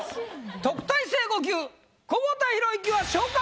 特待生５級久保田裕之は。